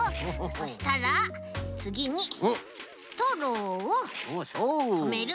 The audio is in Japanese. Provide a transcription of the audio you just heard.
そしたらつぎにストローをとめる。